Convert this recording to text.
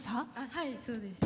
はい、そうです。